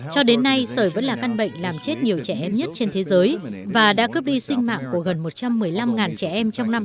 cho đến nay sởi vẫn là căn bệnh làm chết nhiều trẻ em nhất trên thế giới và đã cướp đi sinh mạng của gần một trăm một mươi năm trẻ em trong năm hai nghìn một mươi chín